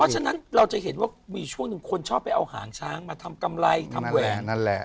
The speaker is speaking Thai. เพราะฉะนั้นเราจะเห็นว่ามีช่วงนึงคนชอบไปเอาหางช้างมาทำกำไรทำแหวน